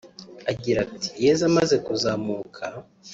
Agira ati “Yezu amaze kuzamuka